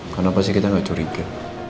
kenapa sih kita nggak curiga